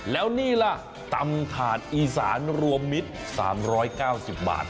แล้วนี่ล่ะตำถาดอีสานรวมมิตร๓๙๐บาท